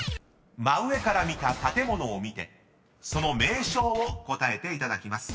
真上から見た建物を見てその名称を答えていただきます］